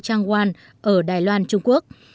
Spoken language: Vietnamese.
trang quang ở đài loan trung quốc